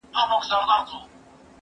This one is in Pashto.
زه کولای سم شګه پاک کړم؟!